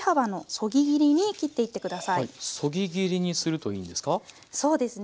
そぎ切りにするといいんですか？